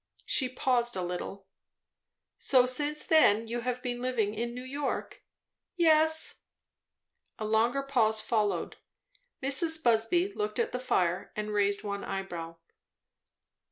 She paused a little. "So since then you have been living in New York?" "Yes." A longer pause followed. Mrs. Busby looked at the fire and raised one eyebrow.